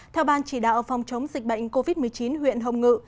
theo ban chỉ đạo phòng chống dịch bệnh covid một mươi chín huyện hồng ngự